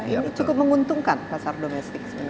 ini cukup menguntungkan pasar domestik